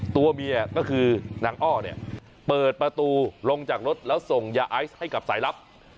ตัวเมียก็คือนางอ้อเนี่ยเปิดประตูลงจากรถแล้วส่งยาไอซ์ให้กับสายลับ